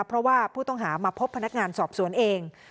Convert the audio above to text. เพราะว่าผู้ต้องหามาพบพนักงานสอบสวนเอง